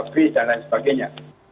kri dan lain sebagainya